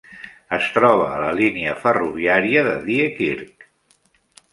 Es troba a la línia ferroviària de Diekirch.